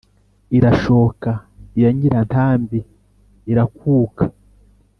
irashooka iya nyirátambi irakúuka